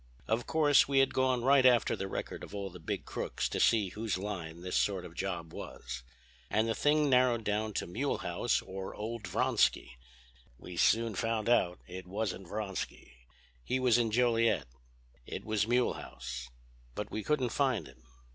"Of course we had gone right after the record of all the big crooks to see whose line this sort of job was. And the thing narrowed down to Mulehaus or old Vronsky. We soon found out it wasn't Vronsky. He was in Joliet. It was Mulehaus. But we couldn't find him.